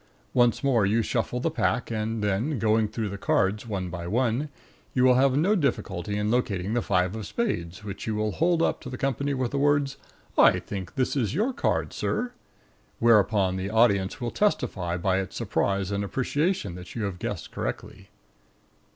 Once more you shuffle the pack; and then, going through the cards one by one, you will have no difficulty in locating the five of spades, which you will hold up to the company with the words "I think this is your card, sir" whereupon the audience will testify by its surprise and appreciation that you have guessed correctly.